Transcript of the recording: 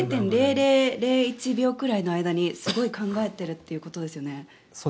０．００１秒くらいにすごい考えてるということですよね。